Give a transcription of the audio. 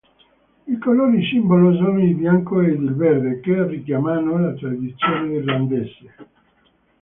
I colori simbolo sono il bianco ed il verde, che richiamano la tradizione irlandese.